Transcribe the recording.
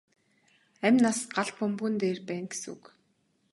Амь нас галт бөмбөгөн дээр байна гэсэн үг.